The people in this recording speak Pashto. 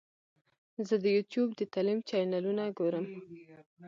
زه د یوټیوب د تعلیم چینلونه ګورم.